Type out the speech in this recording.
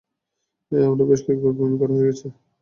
আমার বেশ কয়েকবার বমি করা হয়ে গেছে!